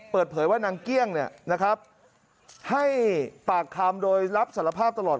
เปิดเผยว่านางเกี้ยงเนี่ยนะครับให้ปากคามโดยรับสารภาพตลอด